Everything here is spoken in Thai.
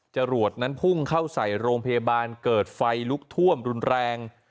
จรวดนั้นพุ่งเข้าใส่โรงพยาบาลเกิดไฟลุกท่วมรุนแรง